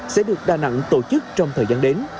sẽ được đà nẵng tổ chức trong thời gian đến